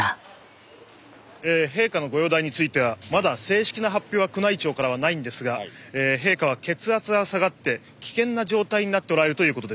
陛下のご容体についてはまだ正式な発表は宮内庁からはないんですが陛下は血圧が下がって危険な状態になっておられるということです。